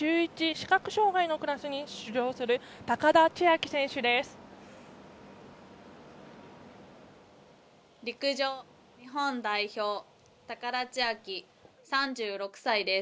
視覚障がいのクラスに出場する高田千明選手です。